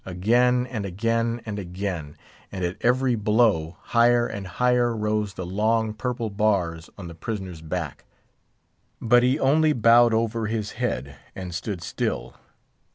Again, and again, and again; and at every blow, higher and higher rose the long, purple bars on the prisoner's back. But he only bowed over his head, and stood still.